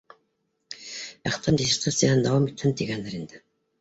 Әхтәм диссертацияһын дауам итһен тигәндер инде